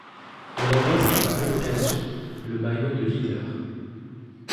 Il endosse par la même occasion le maillot de leader.